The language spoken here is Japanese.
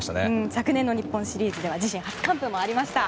昨年の日本シリーズでは自身初完封もありました。